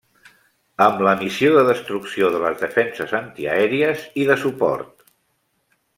Amb la missió de destrucció de les defenses antiaèries i de suport.